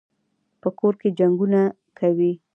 په کور کي جنګونه کوي.